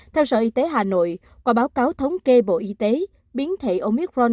theo sở y tế hà nội qua báo cáo thống kê bộ y tế biến thể omicron